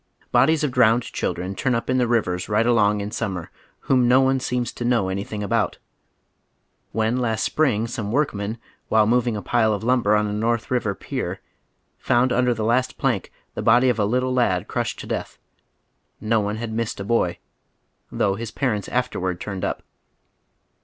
Bodies of drowned children turn up in the rivers right along in summer whom no one seems to know anything about. When last spring some workmen, while moving a pile of lumber on a North Eiver pier, found under the last piank the body of a little lad crushed to death, no one had missed a boy, though liis parents afterward turned up.